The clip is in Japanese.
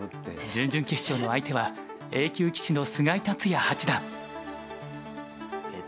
準々決勝の相手はＡ級棋士の菅井竜也八段。